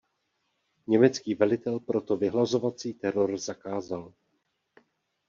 Německý velitel proto vyhlazovací teror zakázal.